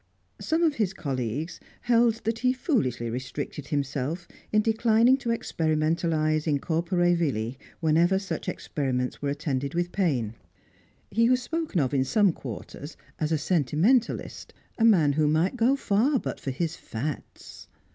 Some of his colleagues held that he foolishly restricted himself in declining to experimentalise in corpore vili, whenever such experiments were attended with pain; he was spoken of in some quarters as a "sentimentalist," a man who might go far but for his "fads."